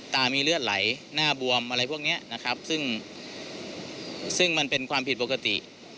ตามีเลือดไหลหน้าบวมอะไรพวกนี้นะครับซึ่งซึ่งมันเป็นความผิดปกติ